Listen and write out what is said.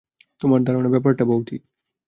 তোমার ধারণা, ব্যাপারটা ভৌতিক?